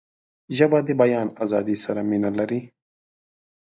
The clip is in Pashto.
ژبه د بیان آزادۍ سره مینه لري